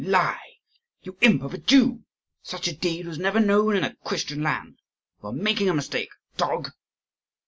"You lie, you imp of a Jew! Such a deed was never known in a Christian land. You are making a mistake, dog!"